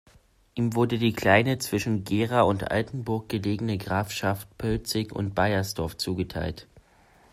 Ihm wurde die kleine, zwischen Gera und Altenburg gelegene Grafschaft Pölzig und Beiersdorf zugeteilt.